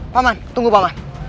paman tunggu paman